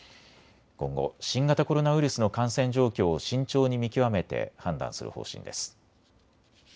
今後、新型コロナウイルスの感染状況を慎重に見極めて判断する方針です。